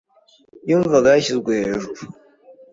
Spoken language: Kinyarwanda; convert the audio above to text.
Yumvaga yishyizwe hejuru.